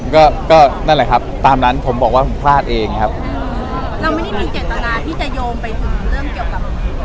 ก็ก็นั่นแหละครับตามนั้นผมบอกว่าผมพลาดเองครับเราไม่ได้มีเจตนาที่จะโยงไปหาเรื่องเกี่ยวกับ